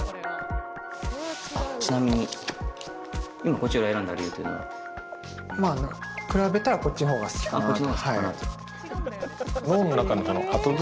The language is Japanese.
ちなみに、今こちらを選んだ理由というのは？比べたらこっちのほうが好きかなって。